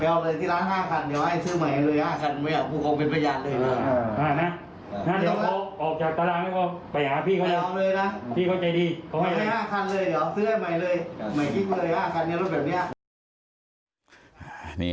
ไปเอาเลยนะพี่เขาใจดีเขาให้๕คันเลยเดี๋ยวซื้อให้ใหม่เลยใหม่คิดเลย๕คันยังรู้แบบเนี้ย